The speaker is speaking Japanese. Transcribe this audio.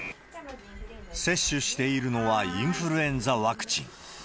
接種しているのはインフルエンザワクチン。